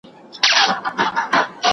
د درد مخنیوي مخکې اثر کوي.